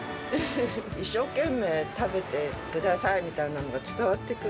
一生懸命食べてくださいみたいなのが伝わってくる。